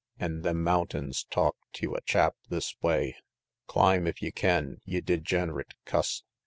An' them mountains talk tew a chap this way: "Climb, if ye can, ye degenerate cuss!"